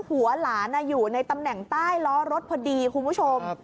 หัวหลานอยู่ในตำแหน่งใต้ล้อรถพอดีคุณผู้ชม